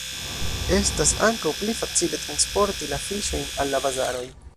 Estas ankaŭ pli facile transporti la fiŝojn al la bazaroj.